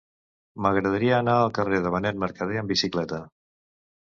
M'agradaria anar al carrer de Benet Mercadé amb bicicleta.